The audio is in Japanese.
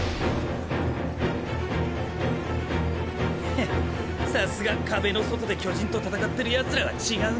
ヘッさすが壁の外で巨人と戦ってるヤツらは違うな。